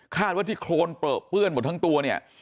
ว่าที่โครนเปลือเปื้อนหมดทั้งตัวเนี่ย